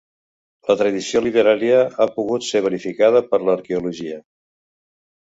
La tradició literària ha pogut ser verificada per l'arqueologia.